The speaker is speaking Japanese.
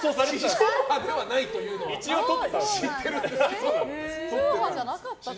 地上波ではないというのは知ってるんですけど。